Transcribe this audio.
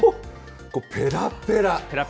ぺらぺら。